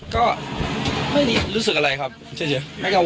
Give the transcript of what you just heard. ก็ไม่รู้สึกอะไรครับเชื่อไม่กังวลครับ